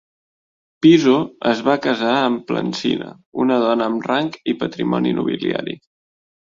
Piso es va casar amb Plancina, una dona amb rang i patrimoni nobiliari.